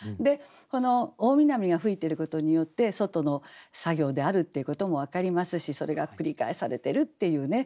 この「大南風」が吹いてることによって外の作業であるっていうことも分かりますしそれが繰り返されてるっていうね。